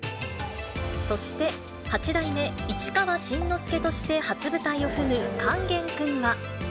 そして、八代目市川新之助として初舞台を踏む勸玄君は。